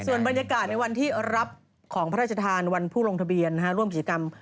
ส่วนบรรยากาศในวันที่รับของพระราชทานวันผู้ลงทะเบียนร่วมกิจกรรม